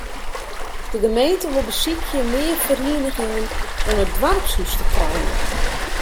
De gemeente wol besykje mear ferieningen yn it doarpshûs te krijen.